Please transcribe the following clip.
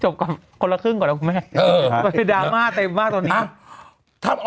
เป็นครั้งแรกในชีวิตของนาง